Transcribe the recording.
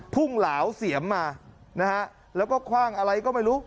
เหลาเสียมมานะฮะแล้วก็คว่างอะไรก็ไม่รู้